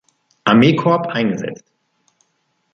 Armee-Korps eingesetzt.